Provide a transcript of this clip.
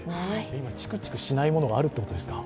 今、チクチクしないものがあるってことですか？